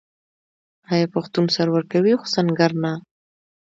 آیا پښتون سر ورکوي خو سنګر نه؟